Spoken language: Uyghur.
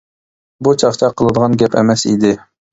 بۇ چاقچاق قىلىدىغان گەپ ئەمەس ئىدى.